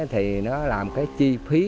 thì nó làm cái chi phí